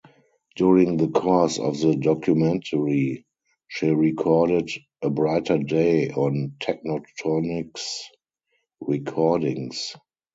During the course of the documentary, she recorded "A Brighter Day" on Techntoniks Recordings.